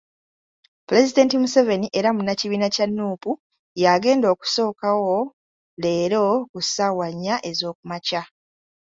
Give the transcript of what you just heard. Pulezidenti Museveni era munnakibiina kya Nuupu, y'agenda okusookawo leero ku ssaawa nnya ez'okumakya.